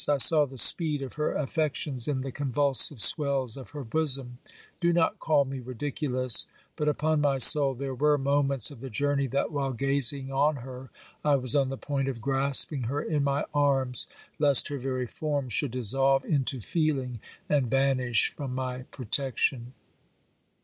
I saw the speed of her affections in the convulsive swells of her bosom. Do not call me ridiculous, but upon my soul there were moments of the journey that while gazing on her I was on the point of grasping her in my arms, lest her very form should dissolve into feeling and vanish from my protection.